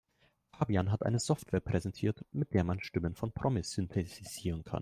Fabian hat eine Software präsentiert, mit der man Stimmen von Promis synthetisieren kann.